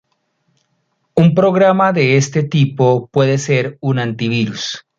Un programa de este tipo puede ser un antivirus.